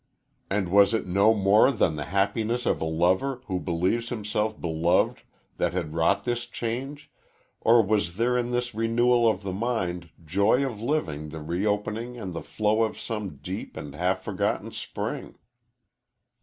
And was it no more than the happiness of a lover who believes himself beloved that had wrought this change, or was there in this renewal of the mad joy of living the reopening and the flow of some deep and half forgotten spring?